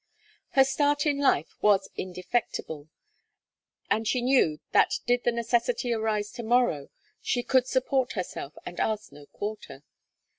Her start in life was indefectible, and she knew that did the necessity arise to morrow she could support herself and ask no quarter.